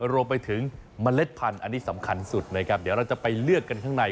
รวมไปถึงเมล็ดพันธุ์อันนี้สำคัญสุดนะครับเดี๋ยวเราจะไปเลือกกันข้างใน